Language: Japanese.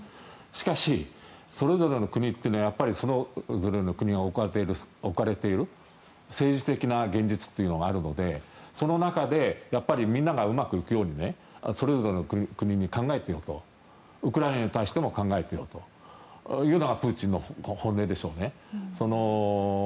しかし、それぞれの国というのはそれぞれの国が置かれている政治的な現実というのがあるのでその中でみんながうまくいくようにそれぞれの国に考えてよとウクライナに対しても考えてよというのがプーチンの本音でしょうね。